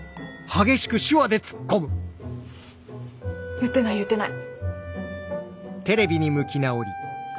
言ってない言ってない。